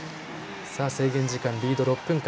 制限時間リード６分間